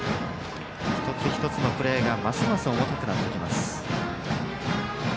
一つ一つのプレーがますます重たくなってきます。